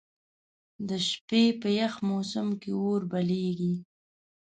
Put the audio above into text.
د شپې په یخ موسم کې اور بليږي.